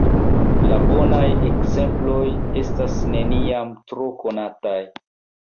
La bonaj ekzemploj estas neniam tro konataj!